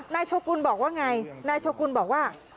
โชกุลบอกว่าไงนายโชกุลบอกว่า